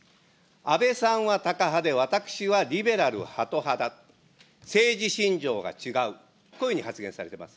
安倍さんはタカ派で、私はリベラルハト派だ、政治信条が違う、こういうふうに発言されてます。